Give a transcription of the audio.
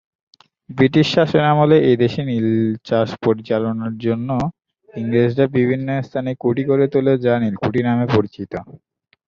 British শাসনামলে এদেশে নীল চাষ পরিচালনার জন্য ইংরেজরা বিভিন্ন স্থানে কুঠি গড়ে তোলে যা নীলকুঠি নামে পরিচিত।